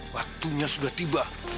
waktunya sudah tiba